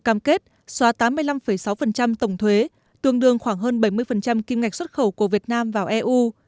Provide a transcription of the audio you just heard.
cam kết xóa tám mươi năm sáu tổng thuế tương đương khoảng hơn bảy mươi kim ngạch xuất khẩu của việt nam vào eu